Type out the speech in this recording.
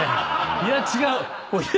「いや、違う。」